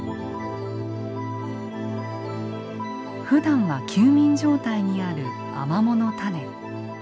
ふだんは休眠状態にあるアマモの種。